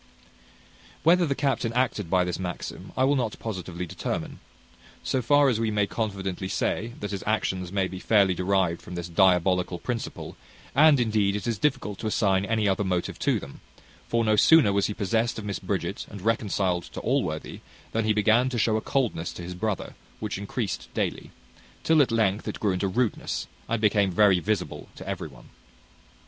Whether the captain acted by this maxim, I will not positively determine: so far we may confidently say, that his actions may be fairly derived from this diabolical principle; and indeed it is difficult to assign any other motive to them: for no sooner was he possessed of Miss Bridget, and reconciled to Allworthy, than he began to show a coldness to his brother which increased daily; till at length it grew into rudeness, and became very visible to every one.